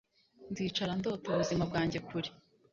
nzicara ndota ubuzima bwanjye kure.